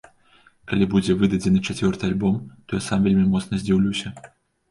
Калі будзе выдадзены чацвёрты альбом, то я сам вельмі моцна здзіўлюся.